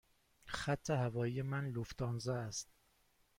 خط هوایی من لوفتانزا است.